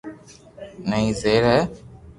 تني زبر ھي